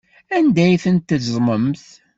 Anda ay tent-teẓẓmemt?